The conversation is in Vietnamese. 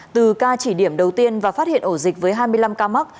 từ ca chỉ điểm đầu tiên và phát hiện ổ dịch với hai mươi năm ca mắc